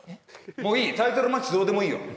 もういいタイトルマッチどうでもいいよ